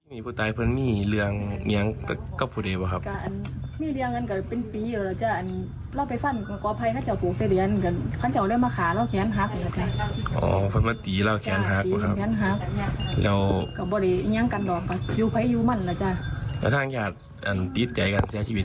นี่คือเรื่องในอดีต